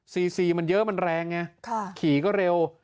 ซีซีมันเยอะมันแรงไงขี่ก็เร็ว